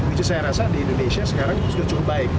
itu saya rasa di indonesia sekarang sudah cukup baik